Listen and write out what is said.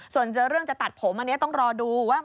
ส่วนเจอเรื่องจะตัดผมอันนี้ต้องรอดูว่า